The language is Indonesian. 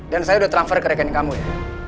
dan saya sudah transfer ke rekening kamu ya